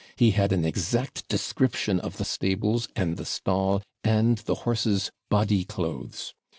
He had an exact description of the stables, and the stall, and the horse's body clothes.